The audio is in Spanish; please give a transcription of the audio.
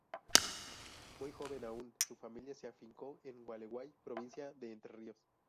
Muy joven aun su familia se afincó en Gualeguay, provincia de Entre Ríos.